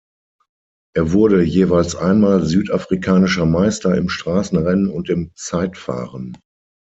Er wurde jeweils einmal südafrikanischer Meister im Straßenrennen und im Zeitfahren.